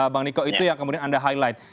bang niko itu yang kemudian anda highlight